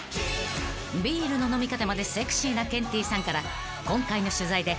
［ビールの飲み方までセクシーなケンティーさんから今回の取材で］